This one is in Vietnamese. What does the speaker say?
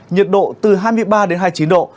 nhiệt độ từ hai mươi ba đến hai mươi chín độ